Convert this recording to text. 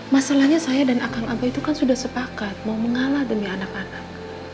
masalahnya saya dan akang abah itu kan sudah sepakat mau mengalah demi anak anak